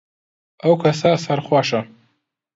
ئەو کەسە سەرخۆشە.